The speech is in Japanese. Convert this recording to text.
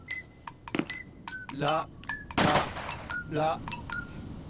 らから。